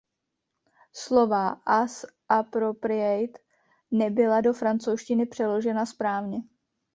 Slova as appropriate nebyla do francouzštiny přeložena správně.